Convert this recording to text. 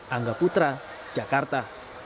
angga putra jakarta